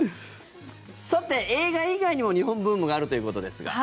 さて、映画以外にも日本ブームがあるということですが。